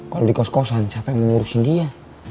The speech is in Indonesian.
kalau dikos kosan siapa yang mau ngurusin dia